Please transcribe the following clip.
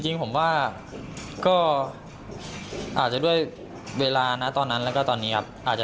จริงผมว่าก็อาจจะด้วยเวลานะตอนนั้นแล้วก็ตอนนี้ครับอาจจะ